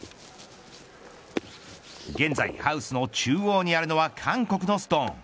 現在ハウスの中央にあるのは韓国のストーン。